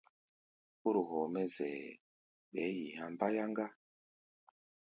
Kóro hɔɔ mɛ́ zɛʼɛ, ɓɛɛ́ yi há̧ mbáyáŋá.